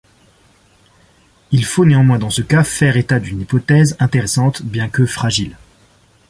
Il faut néanmoins, dans ce cas, faire état d'une hypothèse intéressante bien que fragile.